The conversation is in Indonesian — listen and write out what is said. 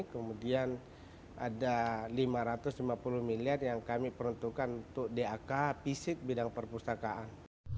kemudian ada lima ratus lima puluh miliar yang kami peruntukkan untuk dak fisik bidang perpustakaan